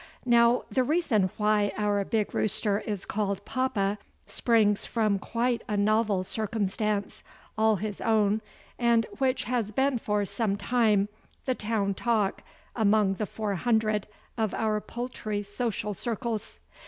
Now, the reason why our big rooster is called Papa springs from quite a novel circumstance all his own and which has been for some time the town talk among the Four Hundred of our poultry social circles.